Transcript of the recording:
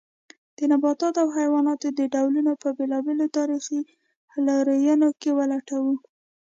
د نباتاتو او حیواناتو د ډولونو په بېلابېلو تاریخي لورینو کې ولټوو.